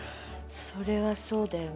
それはそうだよね。